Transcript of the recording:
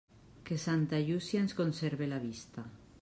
Que santa Llúcia ens conserve la vista.